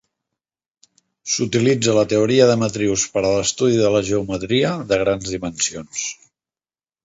S'utilitza la teoria de matrius per a l'estudi de la geometria de grans dimensions.